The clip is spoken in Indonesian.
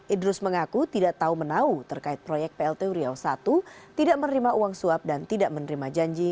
idrus mengaku tidak tahu menau terkait proyek plt uriau i tidak menerima uang suap dan tidak menerima janji